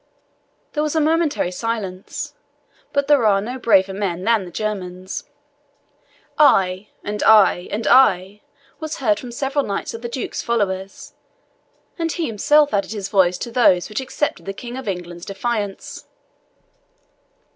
There was a momentary silence; but there are no braver men than the Germans. "I," and "I," and "I," was heard from several knights of the Duke's followers; and he himself added his voice to those which accepted the King of England's defiance.